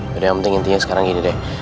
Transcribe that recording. tapi yang penting intinya sekarang gini deh